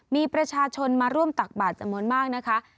มีประชาชนมาร่วมตักบาทจำนวนมากนะคะ